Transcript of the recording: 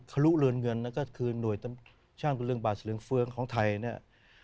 คลุเรือนเงินก็คือหน่วยช่างกุเรื่องบาทเหลืองเฟื้องของไทยเนี่ย